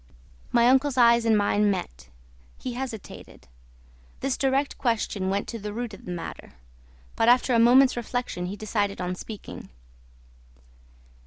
My uncle's eyes and mine met. He hesitated. This direct question went to the root of the matter. But after a moment's reflection he decided on speaking.